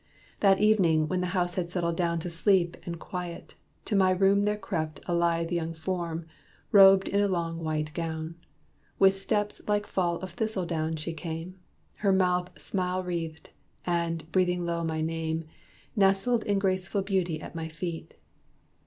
That ev'ning when the house had settled down To sleep and quiet, to my room there crept A lithe young form, robed in a long white gown: With steps like fall of thistle down she came, Her mouth smile wreathed; and, breathing low my name, Nestled in graceful beauty at my feet.